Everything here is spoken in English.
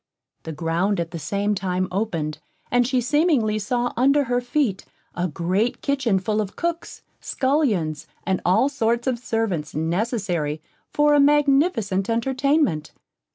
The ground at the same time opened, and she seemingly saw under her feet, a great kitchen full of cooks, scullions, and all sorts of servants necessary for a magnificent entertainment.